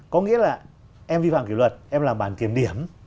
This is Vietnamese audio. có nghĩa là em vi phạm kỷ luật em làm bản kiểm điểm